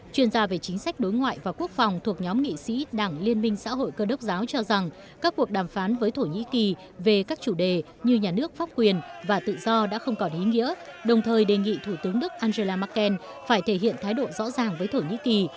chuyên gia về chính sách đối ngoại và quốc phòng thuộc nhóm nghị sĩ đảng liên minh xã hội cơ đốc giáo cho rằng các cuộc đàm phán với thổ nhĩ kỳ về các chủ đề như nhà nước pháp quyền và tự do đã không còn ý nghĩa đồng thời đề nghị thủ tướng đức angela merkel phải thể hiện thái độ rõ ràng với thổ nhĩ kỳ